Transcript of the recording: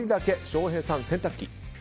翔平さん、洗濯機。